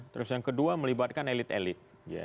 terus yang kedua melibatkan elit elit